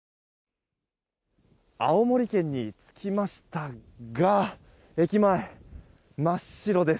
青森県に着きましたが駅前、真っ白です。